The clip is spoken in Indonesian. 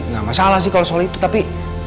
nggak masalah sih kalau soal itu tapi